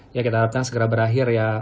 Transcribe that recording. ya kita harapkan segera berakhir ya